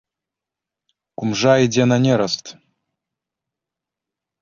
Кумжа ідзе на нераст!